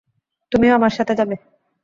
তুমিও আমার সাথে যাবে।